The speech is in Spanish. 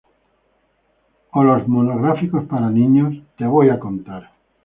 O los monográficos para niños "Te voy a contar...